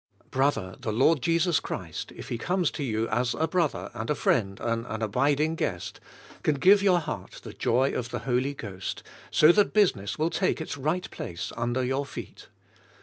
Brother, the Lord Jesus Christ, if He comes to you as a brother and a friend and an abiding guest, can give your heart the joy of the Holy Ghost, so that business will take its right place under your feet.